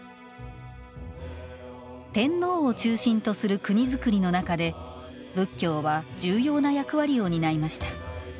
天皇を中心とする国造りの中で仏教は重要な役割を担いました。